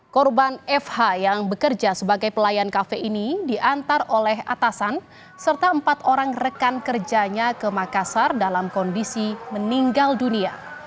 korban fh yang bekerja sebagai pelayan kafe ini diantar oleh atasan serta empat orang rekan kerjanya ke makassar dalam kondisi meninggal dunia